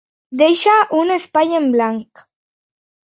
Deixar un espai en blanc.